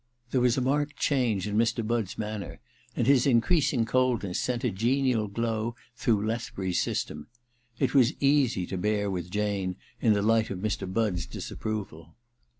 There was a marked change in Mr. Budd's manner, and his increasing coldness sent a genial glow through Lethbury's system. It was easy to bear with Jane in the light of Mr. Budd's disapproval.